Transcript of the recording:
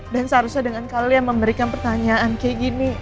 dan seharusnya dengan kalian memberikan pertanyaan kayak gini